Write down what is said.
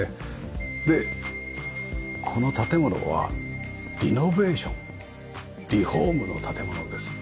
でこの建物はリノベーションリフォームの建物です。